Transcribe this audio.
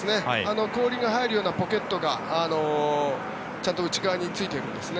氷が入るようなポケットがちゃんと内側についてるんですね。